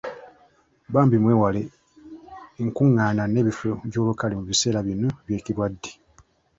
Bambi mwewale enkungaana n'ebifo by'olukale mu biseera bino eby'ekirwadde.